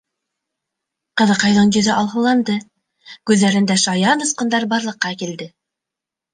Ҡыҙыҡайҙың йөҙө алһыуланды, күҙҙәрендә шаян осҡондар барлыҡҡа килде.